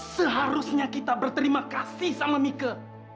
seharusnya kita berterima kasih sama mike